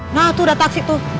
nah itu udah taksi tuh